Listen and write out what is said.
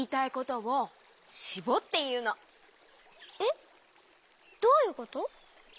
えっどういうこと？